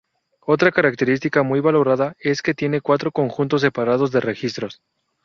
Otra característica muy valorada es que tiene cuatro conjuntos separados de registros.